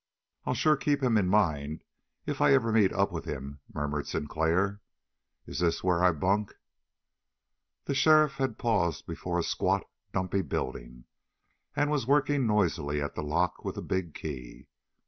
"I'll sure keep him in mind if I ever meet up with him," murmured Sinclair. "Is this where I bunk?" The sheriff had paused before a squat, dumpy building and was working noisily at the lock with a big key.